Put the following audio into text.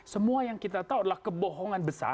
semua yang kita tahu adalah kebohongan besar